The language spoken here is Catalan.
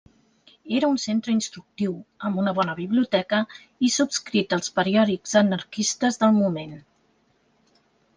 Era un centre instructiu, amb una bona biblioteca i subscrit als periòdics anarquistes del moment.